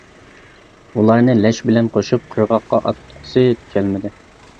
ئۇلارنى لەش بىلەن قوشۇپ قىرغاققا ئاتقۇسى كەلمىدى.